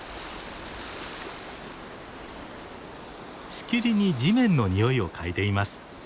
しきりに地面のにおいを嗅いでいます。